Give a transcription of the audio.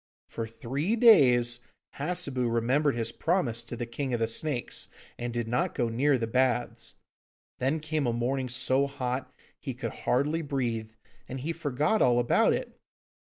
For three days Hassebu remembered his promise to the King of the Snakes, and did not go near the baths; then came a morning so hot he could hardly breathe, and he forgot all about it.